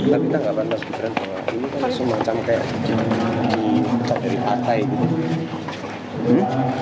tapi kita enggak pantas gibran bahwa ini kan semacam kayak di cat dari partai gitu